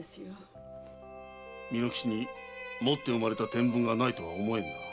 巳之吉に持って生まれた天分がないとは思えんがな。